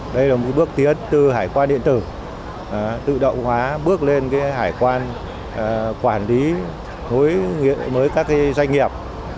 đây là một bước tiến từ hải quan điện tử tự động hóa bước lên hải quan quản lý với các doanh nghiệp